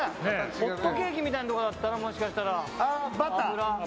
ホットケーキみたいなところだったらもしかしたら。